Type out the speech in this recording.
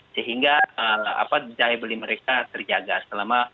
sehingga daya beli mereka terjaga selama